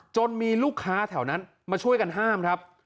มีลูกค้าแถวนั้นมาช่วยกันห้ามครับ